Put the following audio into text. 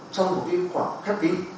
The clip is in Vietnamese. trong một khoảng khép kín